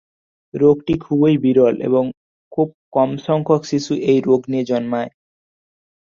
রোগটি খুবই বিরল এবং খুব কমসংখ্যক শিশু এই রোগ নিয়ে জন্মায়।